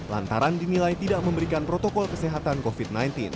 lantaran dinilai tidak memberikan protokol kesehatan covid sembilan belas